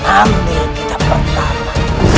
ambil kita pertama